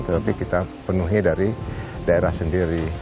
tetapi kita penuhi dari daerah sendiri